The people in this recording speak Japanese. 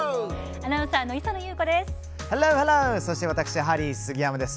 アナウンサーの礒野祐子です。